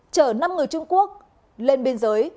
chở năm người trung quốc lên biên giới